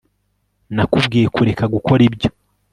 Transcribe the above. nakubwiye kureka gukora ibyo